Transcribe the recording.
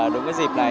đúng cái dịp này